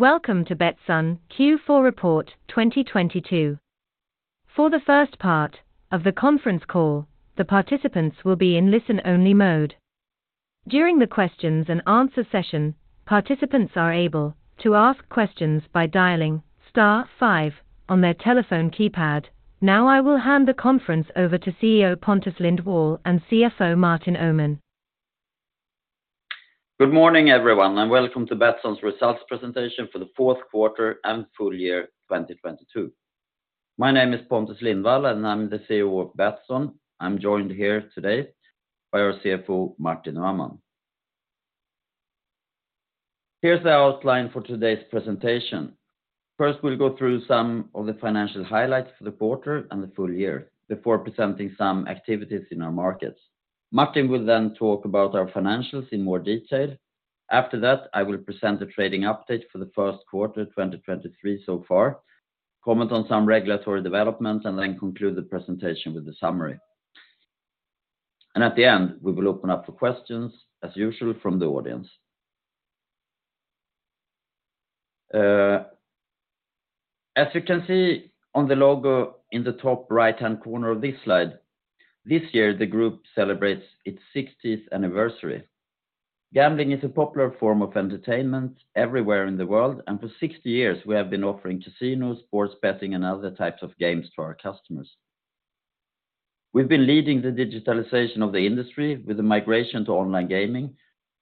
Welcome to Betsson fourth quarter Report 2022. For the first part of the conference call, the participants will be in listen only mode. During the questions and answer session, participants are able to ask questions by dialing star five on their telephone keypad. Now I will hand the conference over to CEO Pontus Lindwall and CFO Martin Öhman. Good morning, everyone. Welcome to Betsson's results presentation for the fourth quarter and full year 2022. My name is Pontus Lindwall, I'm the CEO of Betsson. I'm joined here today by our CFO, Martin Öhman. Here's the outline for today's presentation. First, we'll go through some of the financial highlights for the quarter and the full year before presenting some activities in our markets. Martin will talk about our financials in more detail. After that, I will present a trading update for the first quarter 2023 so far, comment on some regulatory developments, conclude the presentation with the summary. At the end, we will open up for questions as usual from the audience. As you can see on the logo in the top right-hand corner of this slide, this year the group celebrates its 60th anniversary. Gambling is a popular form of entertainment everywhere in the world, and for 60 years we have been offering casinos, sports betting, and other types of games to our customers. We've been leading the digitalization of the industry with the migration to online gaming,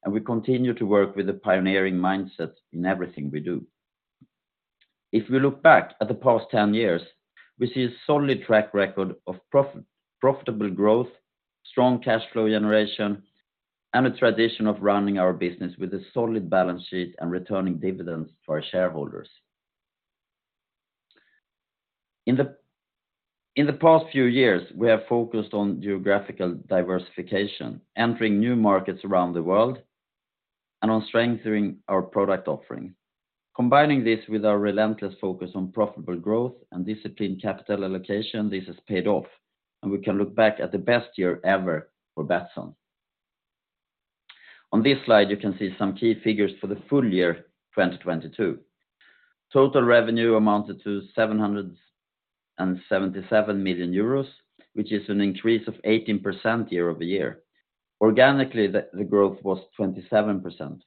and we continue to work with the pioneering mindset in everything we do. If we look back at the past 10 years, we see a solid track record of profitable growth, strong cash flow generation, and a tradition of running our business with a solid balance sheet and returning dividends to our shareholders. In the past few years, we have focused on geographical diversification, entering new markets around the world, and on strengthening our product offering. Combining this with our relentless focus on profitable growth and disciplined capital allocation, this has paid off, and we can look back at the best year ever for Betsson. On this slide, you can see some key figures for the full year 2022. Total revenue amounted to 777 million euros, which is an increase of 18% year-over-year. Organically, the growth was 27%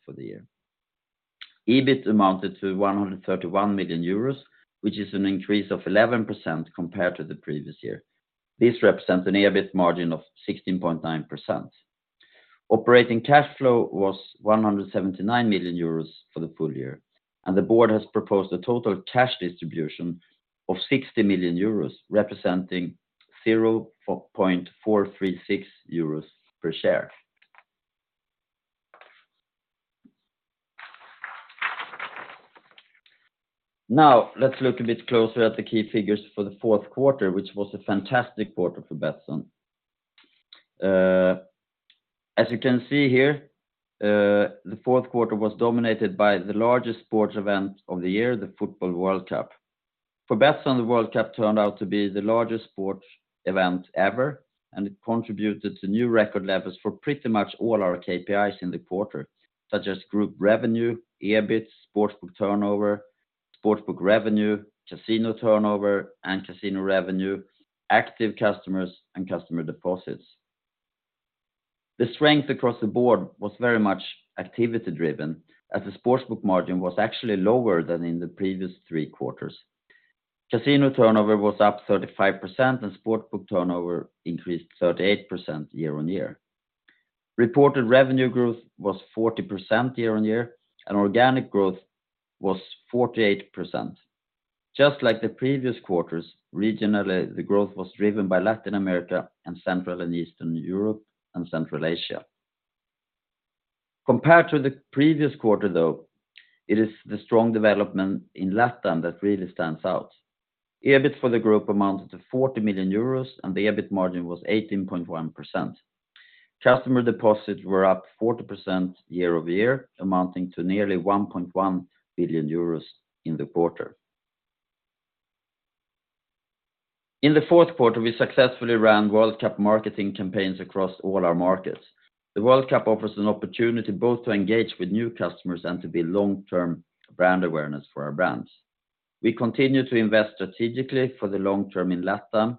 for the year. EBIT amounted to 131 million euros, which is an increase of 11% compared to the previous year. This represents an EBIT margin of 16.9%. Operating cash flow was 179 million euros for the full year. The board has proposed a total cash distribution of 60 million euros, representing 0.436 euros per share. Let's look a bit closer at the key figures for the fourth quarter, which was a fantastic quarter for Betsson. As you can see here, the fourth quarter was dominated by the largest sports event of the year, the Football World Cup. For Betsson, the World Cup turned out to be the largest sports event ever, and it contributed to new record levels for pretty much all our KPIs in the quarter, such as group revenue, EBIT, sportsbook turnover, sportsbook revenue, casino turnover, and casino revenue, active customers, and customer deposits. The strength across the board was very much activity-driven, as the sportsbook margin was actually lower than in the previous three quarters. Casino turnover was up 35%, and sportsbook turnover increased 38% year-on-year. Reported revenue growth was 40% year-on-year, and organic growth was 48%. Just like the previous quarters, regionally, the growth was driven by Latin America and Central and Eastern Europe and Central Asia. Compared to the previous quarter, though, it is the strong development in LatAm that really stands out. EBIT for the group amounted to 40 million euros, and the EBIT margin was 18.1%. Customer deposits were up 40% year-over-year, amounting to nearly 1.1 billion euros in the quarter. In the fourth quarter, we successfully ran World Cup marketing campaigns across all our markets. The World Cup offers an opportunity both to engage with new customers and to build long-term brand awareness for our brands. We continue to invest strategically for the long term in LatAm.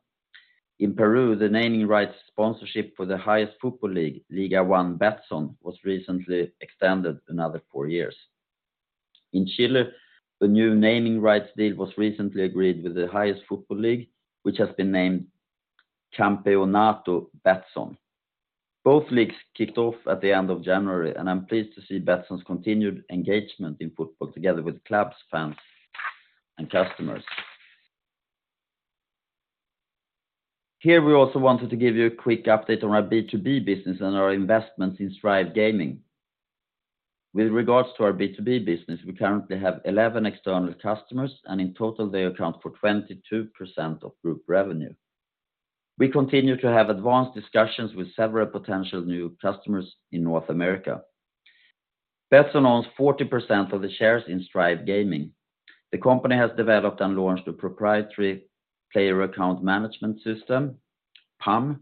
In Peru, the naming rights sponsorship for the highest football league, Liga 1 Betsson, was recently extended another four years. In Chile, the new naming rights deal was recently agreed with the highest football league, which has been named Campeonato Betsson. Both leagues kicked off at the end of January, and I'm pleased to see Betsson's continued engagement in football together with clubs, fans, and customers. Here we also wanted to give you a quick update on our B2B business and our investments in Strive Gaming. With regards to our B2B business, we currently have 11 external customers, and in total, they account for 22% of group revenue. We continue to have advanced discussions with several potential new customers in North America. Betsson owns 40% of the shares in Strive Gaming. The company has developed and launched a proprietary player account management system PAM,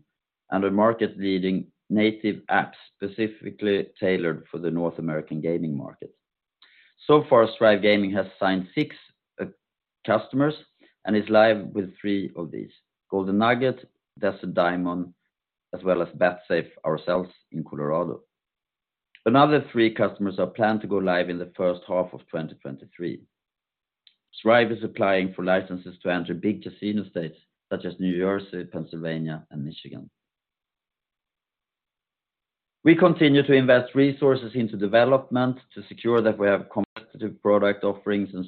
and a market leading native apps specifically tailored for the North American gaming market. Far, Strive Gaming has signed six customers and is live with three of these, Golden Nugget, Desert Diamond, as well as Betsafe ourselves in Colorado. Another three customers are planned to go live in the first half of 2023. Strive is applying for licenses to enter big casino states such as New Jersey, Pennsylvania, and Michigan. We continue to invest resources into development to secure that we have competitive product offerings and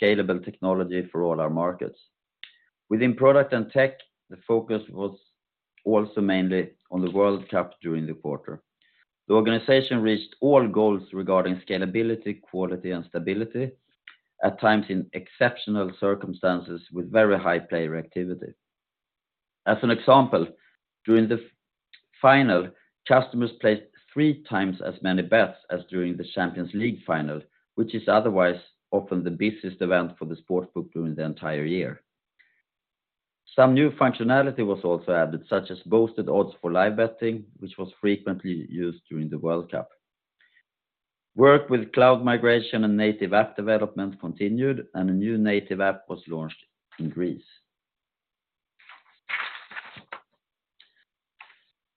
scalable technology for all our markets. Within product and tech, the focus was also mainly on the World Cup during the quarter. The organization reached all goals regarding scalability, quality, and stability, at times in exceptional circumstances with very high player activity. As an example, during the final, customers placed 3x as many bets as during the Champions League final, which is otherwise often the busiest event for the Sportsbook during the entire year. Some new functionality was also added, such as boosted odds for live betting, which was frequently used during the World Cup. Work with cloud migration and native app development continued, and a new native app was launched in Greece.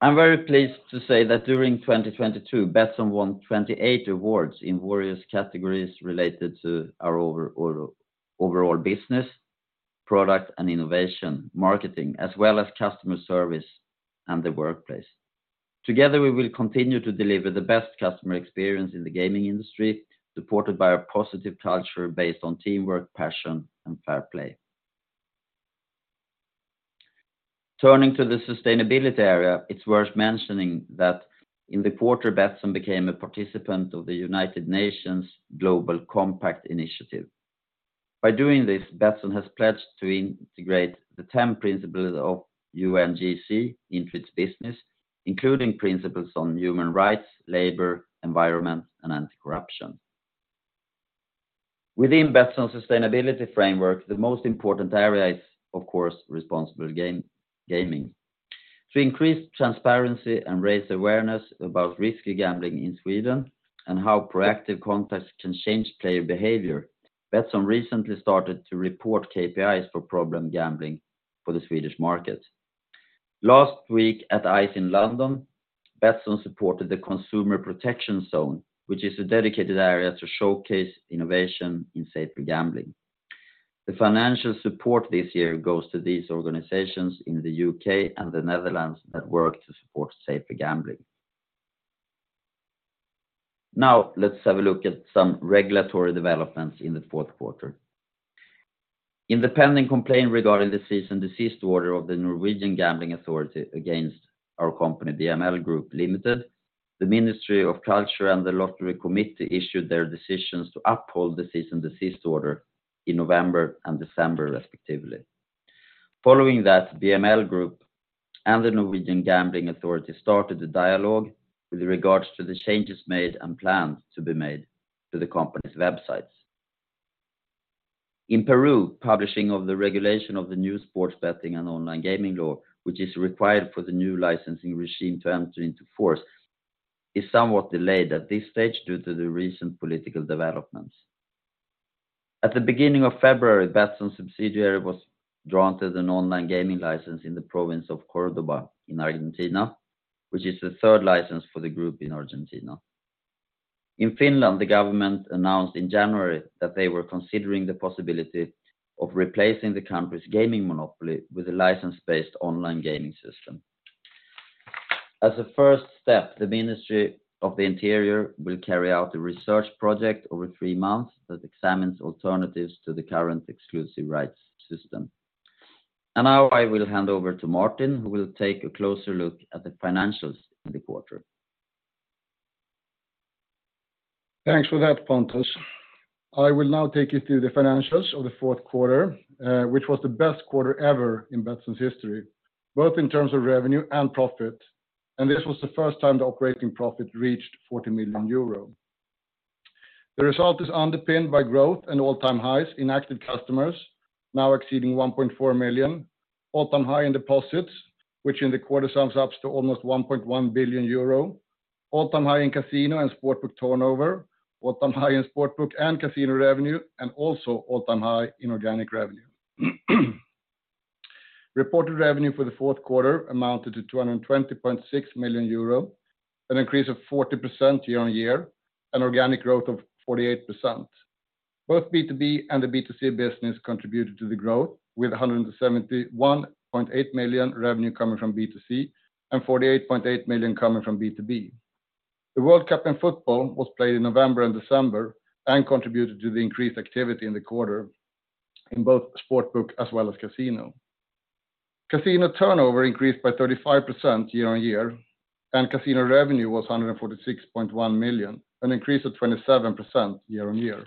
I'm very pleased to say that during 2022, Betsson won 28 awards in various categories related to our overall business, product and innovation, marketing, as well as customer service and the workplace. Together, we will continue to deliver the best customer experience in the gaming industry, supported by a positive culture based on teamwork, passion, and fair play. Turning to the sustainability area, it's worth mentioning that in the quarter, Betsson became a participant of the United Nations Global Compact Initiative. By doing this, Betsson has pledged to integrate the 10 principles of UNGC into its business, including principles on human rights, labor, environment, and anti-corruption. Within Betsson sustainability framework, the most important area is, of course, responsible gaming. To increase transparency and raise awareness about risky gambling in Sweden and how proactive contacts can change player behavior, Betsson recently started to report KPIs for problem gambling for the Swedish market. Last week at ICE in London, Betsson supported the Consumer Protection Zone, which is a dedicated area to showcase innovation in safer gambling. The financial support this year goes to these organizations in the U.K. and the Netherlands that work to support safer gambling. Now let's have a look at some regulatory developments in the fourth quarter. In the pending complaint regarding the cease and desist order of the Norwegian Gambling Authority against our company, BML Group Limited, the Ministry of Culture and the Lottery Committee issued their decisions to uphold the cease and desist order in November and December, respectively. Following that, BML Group and the Norwegian Gambling Authority started a dialogue with regards to the changes made and planned to be made to the company's websites. In Peru, publishing of the regulation of the new sports betting and online gaming law, which is required for the new licensing regime to enter into force, is somewhat delayed at this stage due to the recent political developments. At the beginning of February, Betsson subsidiary was granted an online gaming license in the province of Córdoba in Argentina, which is the third license for the group in Argentina. In Finland, the government announced in January that they were considering the possibility of replacing the country's gaming monopoly with a license-based online gaming system. As a first step, the Ministry of the Interior will carry out a research project over three months that examines alternatives to the current exclusive rights system. Now I will hand over to Martin, who will take a closer look at the financials in the quarter. Thanks for that, Pontus. I will now take you through the financials of the fourth quarter, which was the best quarter ever in Betsson's history, both in terms of revenue and profit. This was the first time the operating profit reached 40 million euro. The result is underpinned by growth and all-time highs in active customers, now exceeding 1.4 million, all-time high in deposits, which in the quarter sums up to almost 1.1 billion euro, all-time high in casino and sportsbook turnover, all-time high in sportsbook and casino revenue, and also all-time high in organic revenue. Reported revenue for the fourth quarter amounted to 220.6 million euro, an increase of 40% year-on-year, an organic growth of 48%. Both B2B and the B2C business contributed to the growth with 171.8 million revenue coming from B2C and 48.8 million coming from B2B. The World Cup in football was played in November and December and contributed to the increased activity in the quarter in both sportsbook as well as casino. Casino turnover increased by 35% year-on-year. Casino revenue was 146.1 million, an increase of 27% year-on-year.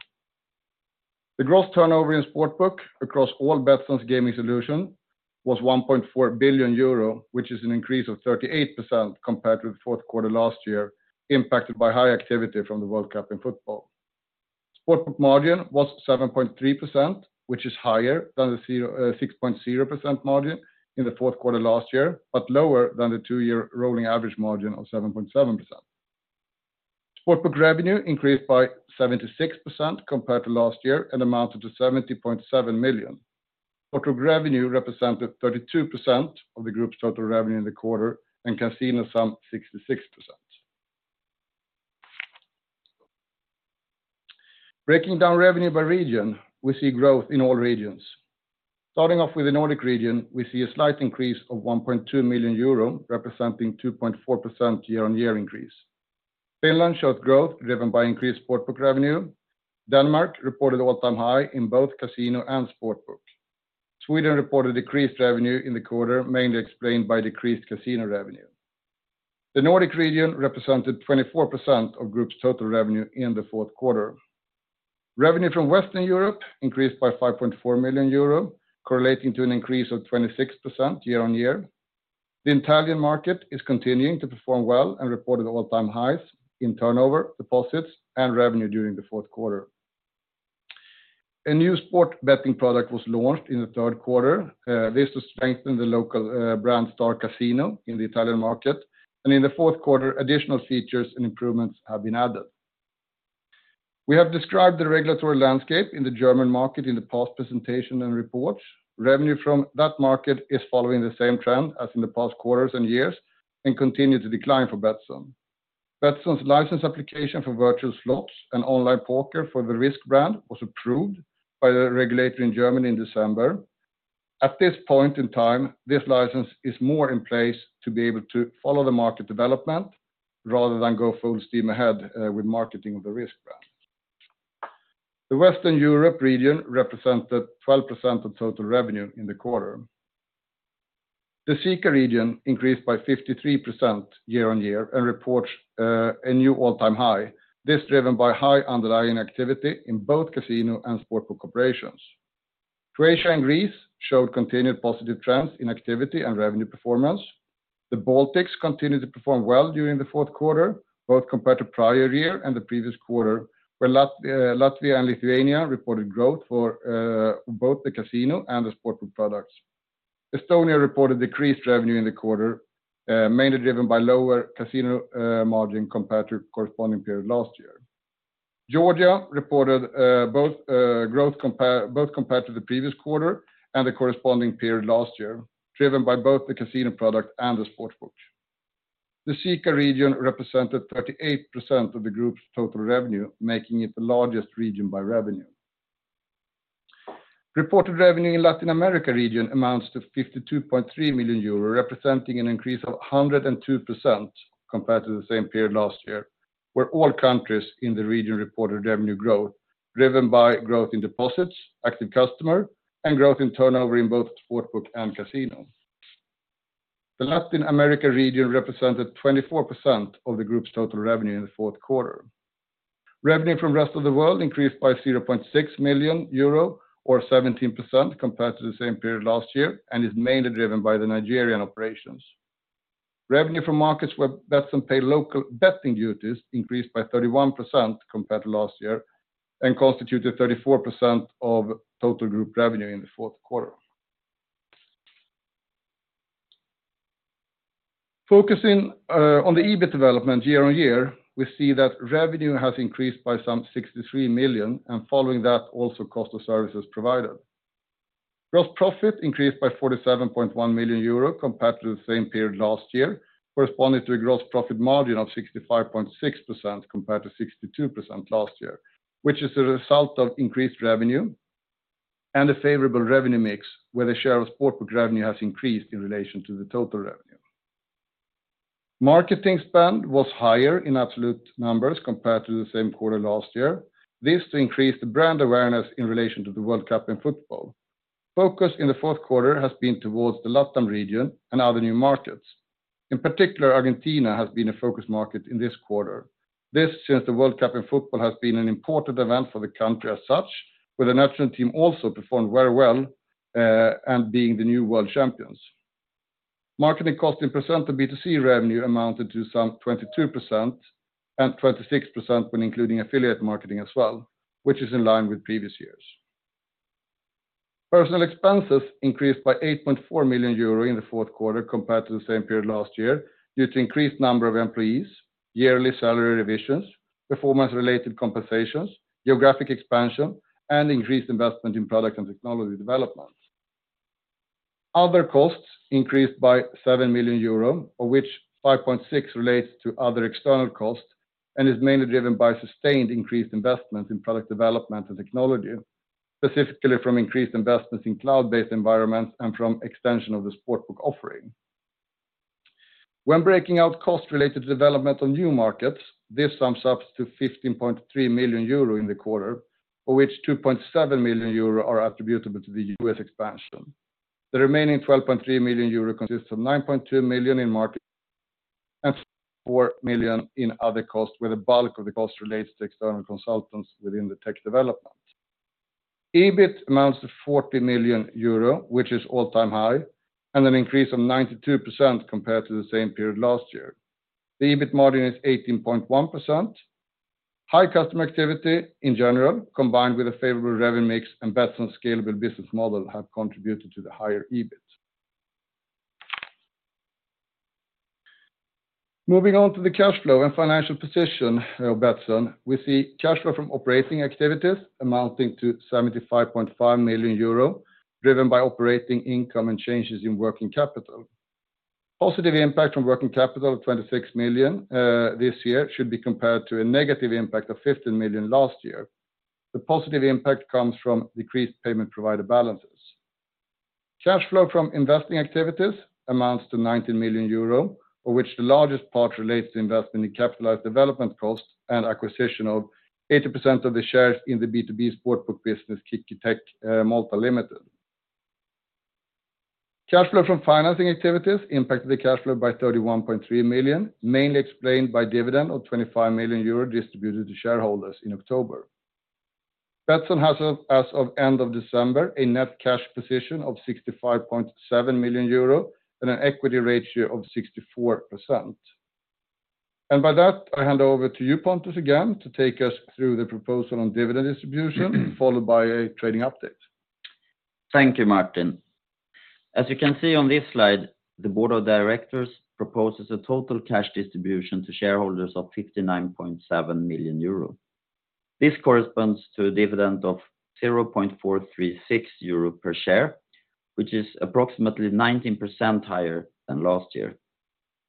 The gross turnover in Sportsbook across all Betsson's gaming solution was 1.4 billion euro, which is an increase of 38% compared to the fourth quarter last year, impacted by high activity from the World Cup in football. Sportsbook margin was 7.3%, which is higher than the 6.0% margin in the fourth quarter last year, but lower than the 2-year rolling average margin of 7.7%. Sportsbook revenue increased by 76% compared to last year and amounted to 70.7 million. Sportsbook revenue represented 32% of the group's total revenue in the quarter and casino some 66%. Breaking down revenue by region, we see growth in all regions. Starting off with the Nordic region, we see a slight increase of 1.2 million euro, representing 2.4% year-on-year increase. Finland showed growth driven by increased sportsbook revenue. Denmark reported all-time high in both casino and sportsbook. Sweden reported decreased revenue in the quarter, mainly explained by decreased casino revenue. The Nordic region represented 24% of Group's total revenue in the fourth quarter. Revenue from Western Europe increased by 5.4 million euro, correlating to an increase of 26% year-on-year. The Italian market is continuing to perform well and reported all-time highs in turnover, deposits, and revenue during the fourth quarter. A new sport betting product was launched in the third quarter, this to strengthen the local brand StarCasinò in the Italian market, and in the fourth quarter, additional features and improvements have been added. We have described the regulatory landscape in the German market in the past presentation and reports. Revenue from that market is following the same trend as in the past quarters and years and continue to decline for Betsson. Betsson's license application for virtual slots and online poker for the Rizk brand was approved by the regulator in Germany in December. At this point in time, this license is more in place to be able to follow the market development rather than go full steam ahead with marketing of the Rizk brand. The Western Europe region represented 12% of total revenue in the quarter. The CECA region increased by 53% year-on-year and reports a new all-time high. This driven by high underlying activity in both casino and sportsbook operations. Croatia and Greece showed continued positive trends in activity and revenue performance. The Baltics continued to perform well during the fourth quarter, both compared to prior year and the previous quarter, where Latvia and Lithuania reported growth for both the casino and the sportsbook products. Estonia reported decreased revenue in the quarter, mainly driven by lower casino margin compared to corresponding period last year. Georgia reported both growth compared to the previous quarter and the corresponding period last year, driven by both the casino product and the sportsbook. The CECA region represented 38% of the group's total revenue, making it the largest region by revenue. Reported revenue in Latin America region amounts to 52.3 million euro, representing an increase of 102% compared to the same period last year, where all countries in the region reported revenue growth, driven by growth in deposits, active customer, and growth in turnover in both sportsbook and casino. The Latin America region represented 24% of the group's total revenue in the fourth quarter. Revenue from Rest of the World increased by 0.6 million euro or 17% compared to the same period last year, and is mainly driven by the Nigerian operations. Revenue from markets where Betsson pay local betting duties increased by 31% compared to last year and constituted 34% of total group revenue in the fourth quarter. Focusing on the EBIT development year-over-year, we see that revenue has increased by some 63 million, and following that, also cost of services provided. Gross profit increased by 47.1 million euro compared to the same period last year, corresponding to a gross profit margin of 65.6% compared to 62% last year, which is the result of increased revenue and a favorable revenue mix where the share of sportsbook revenue has increased in relation to the total revenue. Marketing spend was higher in absolute numbers compared to the same quarter last year. This to increase the brand awareness in relation to the World Cup in football. Focus in the fourth quarter has been towards the LATAM region and other new markets. In particular, Argentina has been a focus market in this quarter. This since the World Cup in football has been an important event for the country as such, with the national team also performed very well, and being the new world champions. Marketing cost in percent of B2C revenue amounted to some 22% and 26% when including affiliate marketing as well, which is in line with previous years. Personnel expenses increased by 8.4 million euro in the fourth quarter compared to the same period last year due to increased number of employees, yearly salary revisions, performance-related compensations, geographic expansion, and increased investment in product and technology developments. Other costs increased by 7 million euro, of which 5.6 relates to other external costs and is mainly driven by sustained increased investments in product development and technology, specifically from increased investments in cloud-based environments and from extension of the sportsbook offering. When breaking out costs related to development on new markets, this sums up to 15.3 million euro in the quarter, of which 2.7 million euro are attributable to the U.S. expansion. The remaining 12.3 million euro consists of 9.2 million in marketing and 4 million in other costs, where the bulk of the cost relates to external consultants within the tech development. EBIT amounts to 40 million euro, which is all-time high and an increase of 92% compared to the same period last year. The EBIT margin is 18.1%. High customer activity in general, combined with a favorable revenue mix and Betsson's scalable business model have contributed to the higher EBIT. Moving on to the cash flow and financial position of Betsson. We see cash flow from operating activities amounting to 75.5 million euro, driven by operating income and changes in working capital. Positive impact from working capital of 26 million this year should be compared to a negative impact of 15 million last year. The positive impact comes from decreased payment provider balances. Cash flow from investing activities amounts to 19 million euro, of which the largest part relates to investment in capitalized development costs and acquisition of 80% of the shares in the B2B sportsbook business KickerTech Malta Limited. Cash flow from financing activities impacted the cash flow by 31.3 million, mainly explained by dividend of 25 million euro distributed to shareholders in October. Betsson has, as of end of December, a net cash position of 65.7 million euro and an equity ratio of 64%. By that, I hand over to you, Pontus, again, to take us through the proposal on dividend distribution, followed by a trading update. Thank you, Martin. As you can see on this slide, the board of directors proposes a total cash distribution to shareholders of 59.7 million euro. This corresponds to a dividend of 0.436 euro per share, which is approximately 19% higher than last year.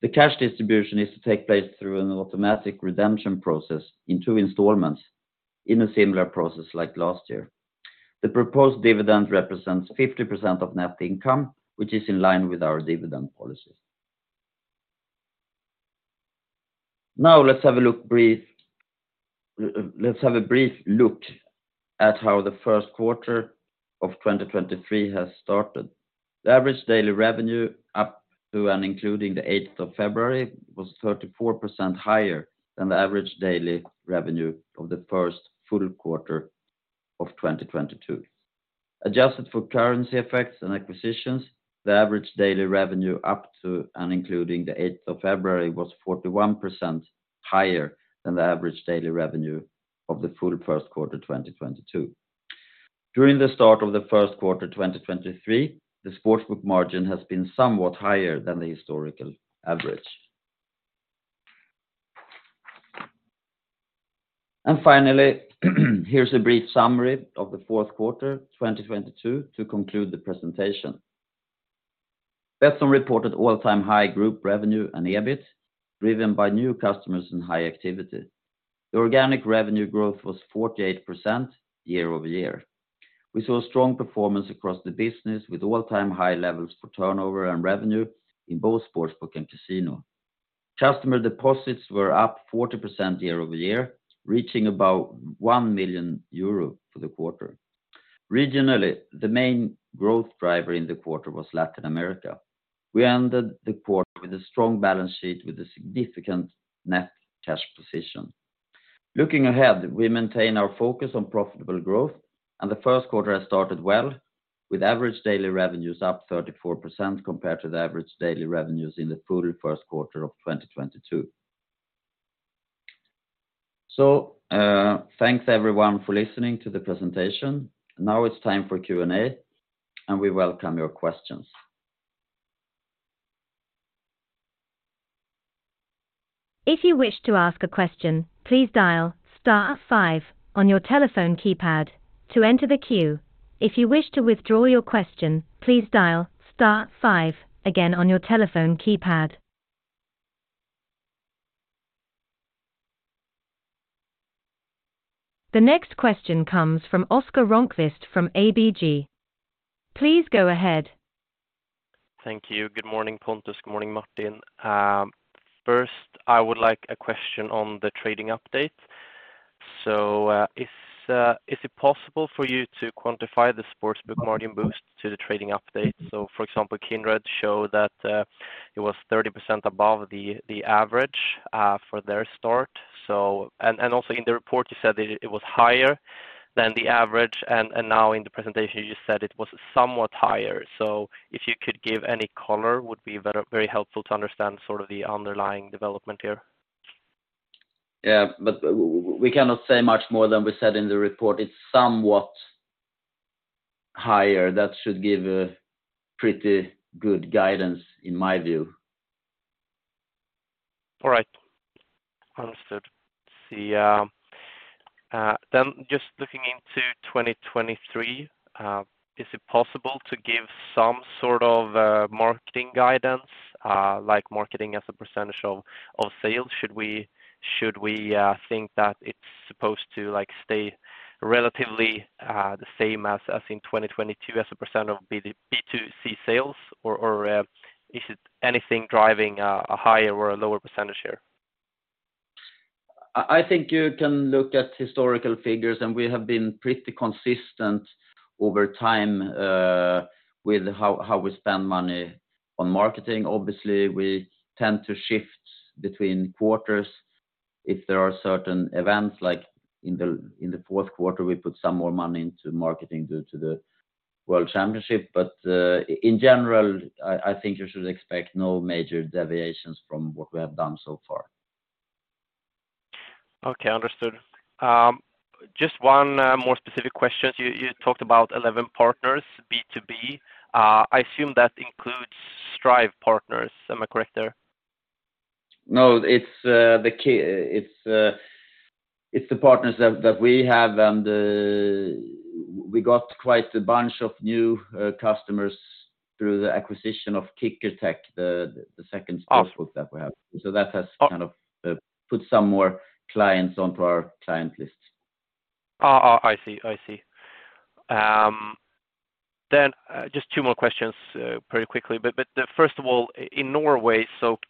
The cash distribution is to take place through an automatic redemption process in two installments in a similar process like last year. The proposed dividend represents 50% of net income, which is in line with our dividend policy. Let's have a brief look at how the first quarter of 2023 has started. The average daily revenue up to and including the 8th of February was 34% higher than the average daily revenue of the first full quarter of 2022. Adjusted for currency effects and acquisitions, the average daily revenue up to and including the 8th of February was 41% higher than the average daily revenue of the full first quarter, 2022. During the start of the first quarter, 2023, the sports book margin has been somewhat higher than the historical average. Finally, here's a brief summary of the fourth quarter, 2022 to conclude the presentation. Betsson reported all-time high group revenue and EBIT, driven by new customers and high activity. The organic revenue growth was 48% year-over-year. We saw strong performance across the business with all-time high levels for turnover and revenue in both sports book and casino. Customer deposits were up 40% year-over-year, reaching about 1 million euro for the quarter. Regionally, the main growth driver in the quarter was Latin America. We ended the quarter with a strong balance sheet with a significant net cash position. Looking ahead, we maintain our focus on profitable growth. The first quarter has started well, with average daily revenues up 34% compared to the average daily revenues in the full first quarter of 2022. Thanks everyone for listening to the presentation. Now it's time for Q&A. We welcome your questions. If you wish to ask a question, please dial star five on your telephone keypad to enter the queue. If you wish to withdraw your question, please dial star five again on your telephone keypad. The next question comes from Oscar Rönnkvist from ABG. Please go ahead. Thank you. Good morning, Pontus. Good morning, Martin Öhman. First, I would like a question on the trading update. Is it possible for you to quantify the sportsbook margin boost to the trading update? For example, Kindred showed that it was 30% above the average for their start. Also in the report, you said it was higher than the average. Now in the presentation, you just said it was somewhat higher. If you could give any color, would be very helpful to understand sort of the underlying development here. Yeah, we cannot say much more than we said in the report. It's somewhat higher. That should give a pretty good guidance in my view. All right. Understood. Let's see, just looking into 2023, is it possible to give some sort of marketing guidance, like marketing as a percent of sales? Should we think that it's supposed to, like, stay relatively the same as in 2022 as a percent of B2C sales, or is it anything driving a higher or a lower percentage here? I think you can look at historical figures, and we have been pretty consistent over time with how we spend money on marketing. Obviously, we tend to shift between quarters. If there are certain events, like in the fourth quarter, we put some more money into marketing due to the World Cup. In general, I think you should expect no major deviations from what we have done so far. Okay. Understood. Just one more specific question. You talked about 11 partners, B2B. I assume that includes Strive partners. Am I correct there? No. It's the key. It's, it's the partners that we have. We got quite a bunch of new customers through the acquisition of KickerTech, the second sportsbook that we have. That has kind of put some more clients onto our client list. I see. I see. Just two more questions pretty quickly. First of all, in Norway,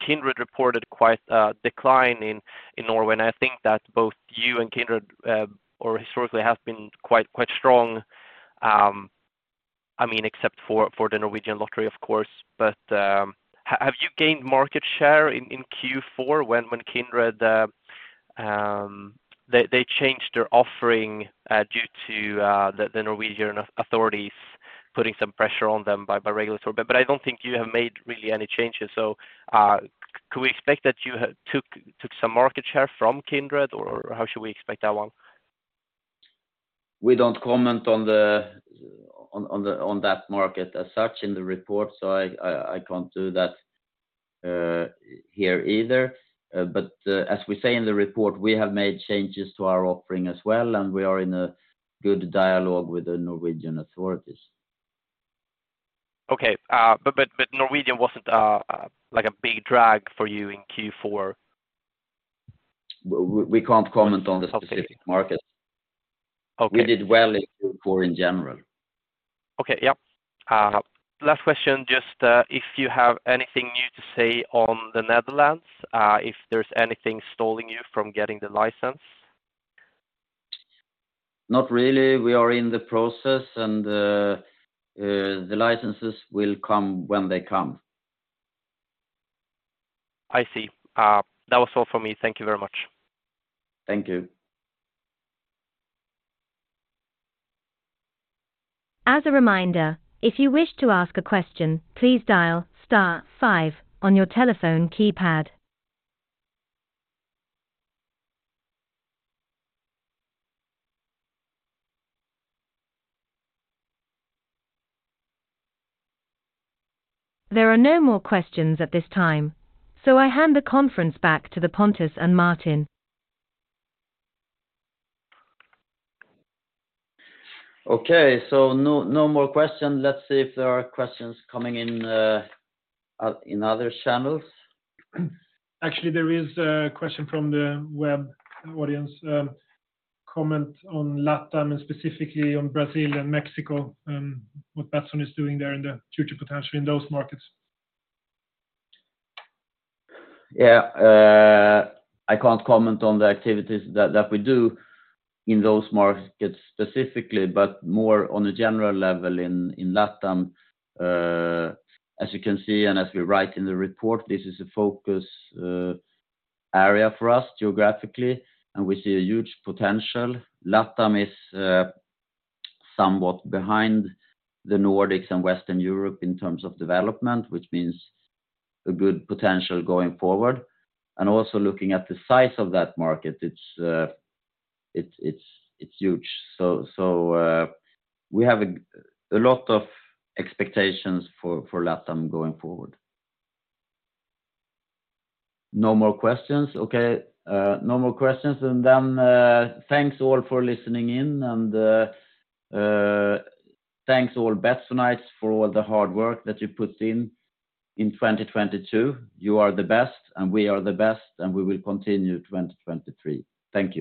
Kindred reported quite a decline in Norway, and I think that both you and Kindred or historically have been quite strong. I mean, except for the Norwegian lottery, of course. But have you gained market share in fourth quarter when Kindred changed their offering due to the Norwegian authorities putting some pressure on them by regulatory. I don't think you have made really any changes. Could we expect that you took some market share from Kindred, or how should we expect that one? We don't comment on the, on that market as such in the report, so I can't do that here either. As we say in the report, we have made changes to our offering as well, and we are in a good dialogue with the Norwegian authorities. Okay. Norwegian wasn't, like a big drag for you in fourth quarter? We can't comment on the specific market. Okay. We did well in fourth quarter in general. Okay. Yep. Last question, just, if you have anything new to say on the Netherlands, if there's anything stalling you from getting the license? Not really. We are in the process, and the licenses will come when they come. I see. That was all for me. Thank you very much. Thank you. As a reminder, if you wish to ask a question, please dial star five on your telephone keypad. There are no more questions at this time, I hand the conference back to the Pontus and Martin. Okay, no more questions. Let's see if there are questions coming in other channels. Actually, there is a question from the web audience. Comment on LatAm, and specifically on Brazil and Mexico, what Betsson is doing there, and the future potential in those markets. ` Yeah. I can't comment on the activities that we do in those markets specifically, but more on a general level in LatAm. Uh, as you can see, and as we write in the report, this is a focus, area for us geographically, and we see a huge potential. LatAm is, somewhat behind the Nordics and Western Europe in terms of development, which means a good potential going forward. And also looking at the size of that market, it's, it's, it's huge. So, so, we have a lot of expectations for LatAm going forward. No more questions? Okay. no more questions, and then, thanks all for listening in, and, thanks all Betssonites for all the hard work that you put in in twenty twenty-two. You are the best, and we are the best, and we will continue 2023. Thank you.